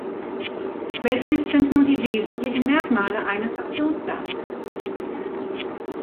Welches sind nun die wesentlichen Merkmale eines Aktionsplans?